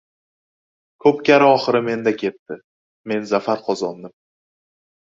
Ko‘pkari oxiri menda ketdi. Men zafar qozondim!